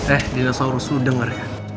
eh dinosaurus lu denger ya